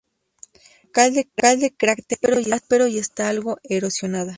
El brocal del cráter es áspero y está algo erosionada.